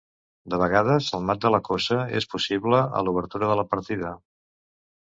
De vegades, el mat de la coça és possible a l'obertura de la partida.